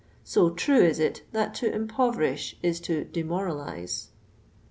So true is it that to impoverish is to dmoralise."